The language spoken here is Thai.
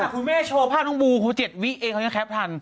คุณแม่โชว์ภาพน้องบูคือ๗วิเองเขายังแคปทัน